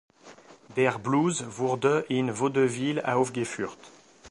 Der Blues wurde in Vaudevilles aufgeführt.